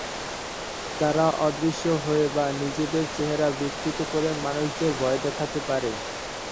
তারা অদৃশ্য হয়ে বা নিজেদের চেহারা বিকৃত করে মানুষদের ভয় দেখাতে পারে।